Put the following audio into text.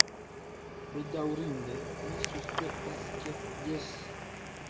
Bedaŭrinde, mi suspektas ke jes.